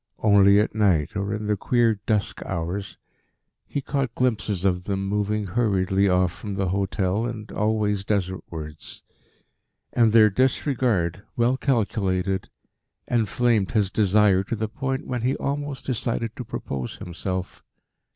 Only at night, or in the queer dusk hours, he caught glimpses of them moving hurriedly off from the hotel, and always desertwards. And their disregard, well calculated, enflamed his desire to the point when he almost decided to propose himself.